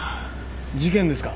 事件ですか？